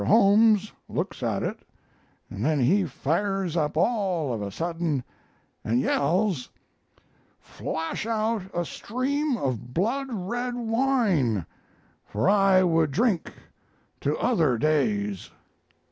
Holmes looks at it and then he fires up all of a sudden and yells: "'Flash out a stream of blood red wine! For I would drink to other days.'